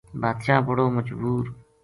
بادشاہ بڑو مجبور